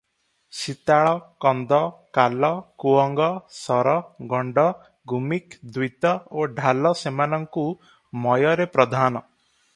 ସିତାଳ, କନ୍ଦ, କାଲ, କୁଅଙ୍ଗ, ଶର, ଗଣ୍ଡ, ଗୁମିକ, ଦ୍ୱିତ ଓ ଢ଼ାଲ ସେମାନଙ୍କୁ ମୟରେ ପ୍ରଧାନ ।